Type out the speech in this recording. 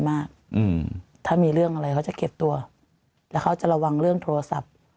มากอืมถ้ามีเรื่องอะไรเขาจะเก็บตัวแล้วเขาจะระวังเรื่องโทรศัพท์